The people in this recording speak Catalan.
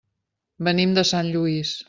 Venim de Sant Lluís.